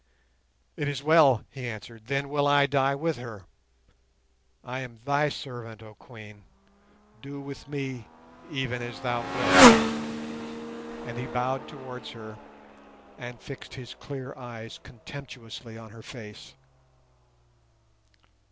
"It is well," he answered; "then will I die with her. I am thy servant, oh Queen; do with me even as thou wilt." And he bowed towards her, and fixed his clear eyes contemptuously on her face.